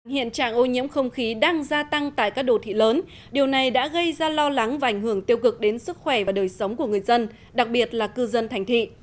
hiện trạng ô nhiễm không khí đang gia tăng tại các đồ thị lớn điều này đã gây ra lo lắng và ảnh hưởng tiêu cực đến sức khỏe và đời sống của người dân đặc biệt là cư dân thành thị